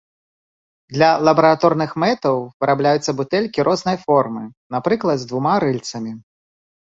Для лабараторных мэтаў вырабляюцца бутэлькі рознай формы, напрыклад, з двума рыльцамі.